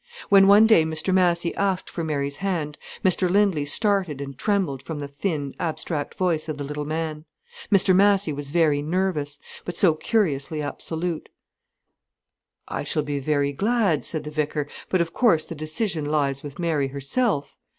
When one day Mr Massy asked for Mary's hand, Mr Lindley started and trembled from the thin, abstract voice of the little man. Mr Massy was very nervous, but so curiously absolute. "I shall be very glad," said the vicar, "but of course the decision lies with Mary herself."